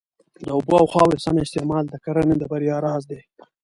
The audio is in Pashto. د اوبو او خاورې سم استعمال د کرنې د بریا راز دی.